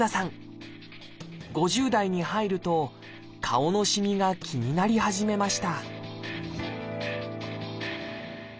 ５０代に入ると顔のしみが気になり始めました